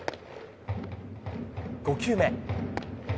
５球目。